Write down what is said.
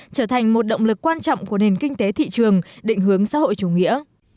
trở thành một động lực quan trọng của nền kinh tế thị trường định hướng xã hội chủ nghĩa